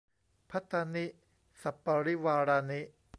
ภัตตานิ สัปปะริวารานิ